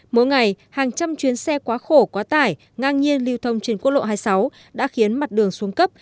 mỗi ngày hàng trăm chuyến xe quá khổ quá tải ngang nhiên lưu thông trên quốc lộ hai mươi sáu đã khiến mặt đường xuống cấp